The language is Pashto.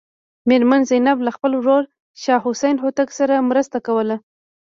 میرمن زینب له خپل ورور شاه حسین هوتک سره مرسته کوله.